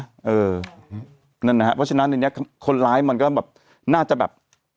เพราะฉะนั้นเนี่ยคนร้ายมันก็แบบน่าจะแบบ